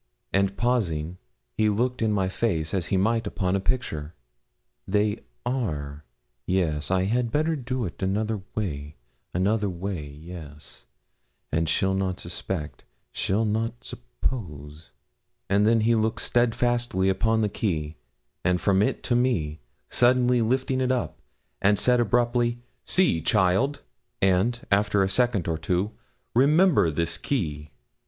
And pausing, he looked in my face as he might upon a picture. 'They are yes I had better do it another way another way; yes and she'll not suspect she'll not suppose.' Then he looked steadfastly upon the key, and from it to me, suddenly lifting it up, and said abruptly, 'See, child,' and, after a second or two, 'Remember this key.'